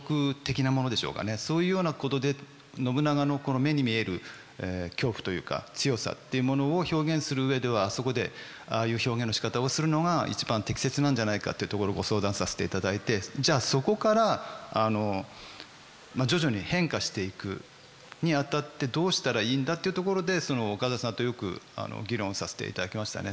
そういうようなことで信長のこの目に見える恐怖というか強さっていうものを表現する上ではあそこでああいう表現のしかたをするのが一番適切なんじゃないかってところをご相談させていただいてじゃあそこから徐々に変化していくにあたってどうしたらいいんだっていうところで岡田さんとよく議論させていただきましたね。